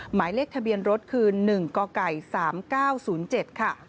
หมายเลขทะเบียนรถคือ๑กไก่๓๙๐๗ค่ะ